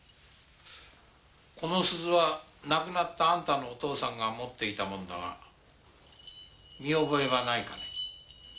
この鈴は亡くなったアンタのお父さんが持っていたものだが見覚えはないかね？